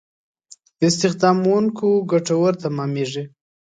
استخداموونکو ګټور تمامېږي.